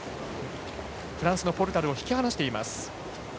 フランスのポルタルを引き離しています。